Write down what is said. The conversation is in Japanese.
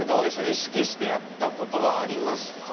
意識してやったことはありますか？